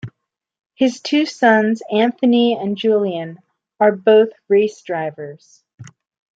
His two sons, Anthony and Julien, are both race drivers.